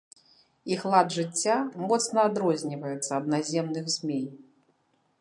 Іх лад жыцця моцна адрозніваецца ад наземных змей.